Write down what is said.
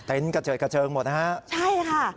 เต็นต์กระเจากระเจลหมดนะฮะใช่ค่ะ